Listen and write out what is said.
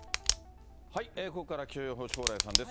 ここから気象予報士、蓬莱さんです。